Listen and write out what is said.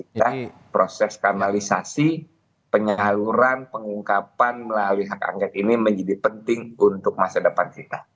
kita proses kanalisasi penyaluran pengungkapan melalui hak angket ini menjadi penting untuk masa depan kita